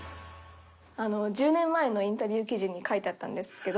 １０年前のインタビュー記事に書いてあったんですけど。